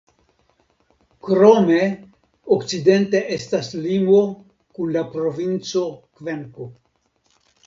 Krome okcidente estas limo kun la provinco Kvenko.